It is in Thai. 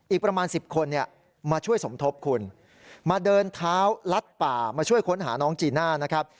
อีกประมาณ๑๐คนเนี่ยมาช่วยสมทบคุณมาเดินเท้าลัดป่ามาช่วยค้นหาน้องจีน่านะครับ